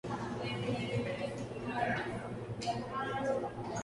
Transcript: Agricultura de regadío que aprovecha el agua del canal de Cataluña y Aragón.